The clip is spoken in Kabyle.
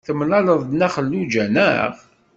Temlaleḍ-d Nna Xelluǧa, naɣ?